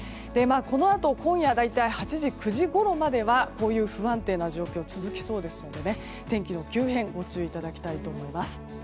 このあと今夜大体８時、９時ごろまではこういう不安定な状況が続きそうですので天気の急変ご注意いただきたいと思います。